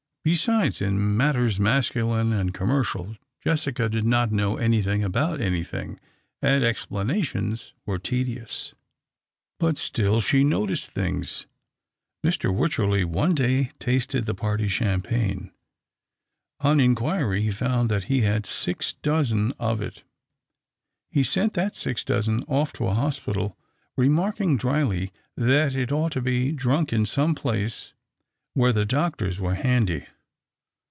Besides, in matters masculine and commercial, Jessica did not know anything about anything, and explanations were tedious. But still she noticed things. Mr. Wycher ley one day tasted the party champagne. On inquiry he found that he had six dozen of it. He sent that six dozen off to a hospital, remarking dryly that it ought to be drunk in some place where the doctors were handy.